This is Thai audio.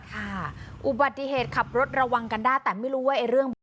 ค่ะอุบัติเหตุขับรถระวังกันได้แต่ไม่รู้ว่าเรื่อง